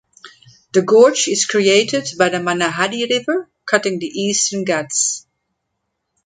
The gorge is created by the Mahanadi river cutting the eastern Ghats.